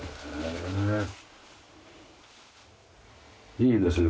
いいですね。